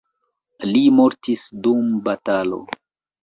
Li mortis dum batalo.